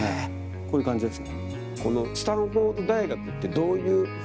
こういう感じです。